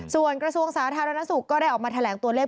ส่วนกระทรวงสาธารณสุขก็ได้ออกมาแถลงตัวเลข